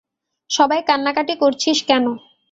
সবাই কান্নাকাটি করছিস কেন?